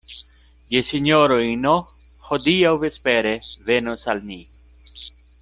Gesinjoroj N. hodiaŭ vespere venos al ni.